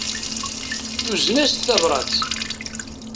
Tuzen-as-d tabrat.